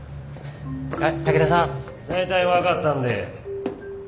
えっ武田さん。大体分かったんで。